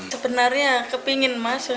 sebenarnya kepingin mas